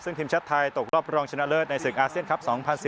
ซึ่งทีมชาติไทยตกรอบรองชนะเลิศในศึกอาเซียนครับ๒๐๑๙